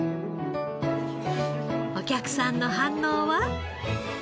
お客さんの反応は？